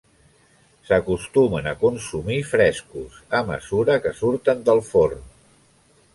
S'acostumen a consumir frescos, a mesura que surten del forn.